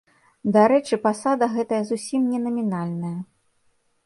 Дарэчы, пасада гэтая зусім не намінальная.